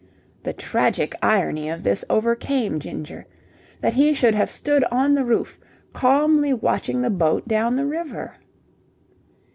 The tragic irony of this overcame Ginger. That he should have stood on the roof, calmly watching the boat down the river...